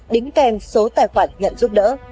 đính kèm số tài khoản nhận giúp đỡ